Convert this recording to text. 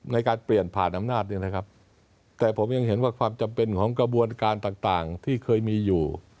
ในการเปลี่ยนผ่านอำนาจเนี่ยนะครับแต่ผมยังเห็นว่าความจำเป็นของกระบวนการต่างที่เคยมีอยู่